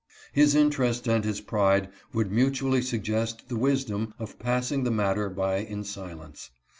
His interest and his pride would mutually suggest the wisdom of passing the matter by in silence.